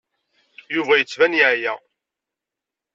Yuba yettban yeɛya.